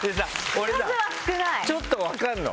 俺さちょっと分かるの。